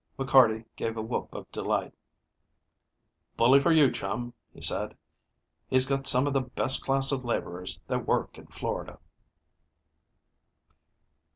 McCarty gave a whoop of delight. "Bully for your chum!" he said. "He's got some of the best class of laborers that work in Florida."